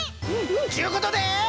ちゅうことで。